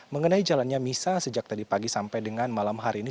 mengenai jalannya misa sejak tadi pagi sampai dengan malam hari ini